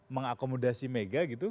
mengakomodasi mega gitu